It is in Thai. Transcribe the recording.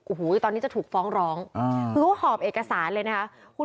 โอ้โหตอนนี้จะถูกฟ้องร้องคือเขาหอบเอกสารเลยนะคะ